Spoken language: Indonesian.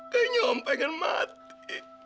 kayaknya om pengen mati